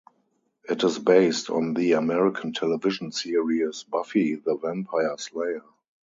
It is based on the American television series "Buffy the Vampire Slayer".